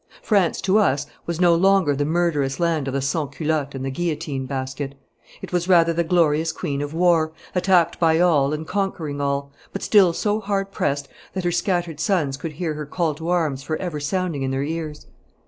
France to us was no longer the murderous land of the sans culotte and the guillotine basket; it was rather the glorious queen of war, attacked by all and conquering all, but still so hard pressed that her scattered sons could hear her call to arms for ever sounding in their ears.